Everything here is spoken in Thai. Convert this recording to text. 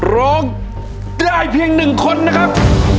ร้องได้เพียง๑คนนะครับ